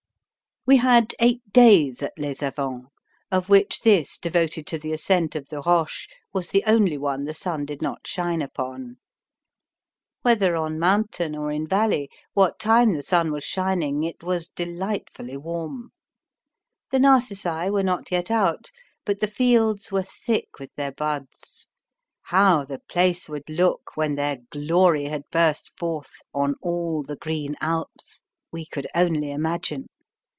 We had eight days at Les Avants, of which this devoted to the ascent of the Roches was the only one the sun did not shine upon. Whether on mountain or in valley, what time the sun was shining it was delightfully warm. The narcissi were not yet out, but the fields were thick with their buds. How the place would look when their glory had burst forth on all the green Alps we could only imagine.